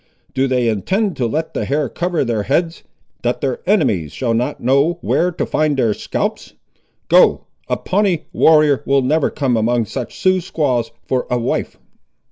Do they intend to let the hair cover their heads, that their enemies shall not know where to find their scalps? Go; a Pawnee warrior will never come among such Sioux squaws for a wife!"